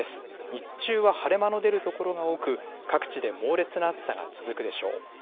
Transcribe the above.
日中は晴れ間の出る所が多く各地で猛烈な暑さが続くでしょう。